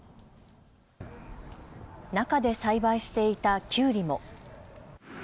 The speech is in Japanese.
中で栽培していたキュウリも。